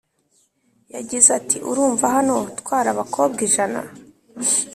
Yagize ati" Urumva hano twari abakobwa ijana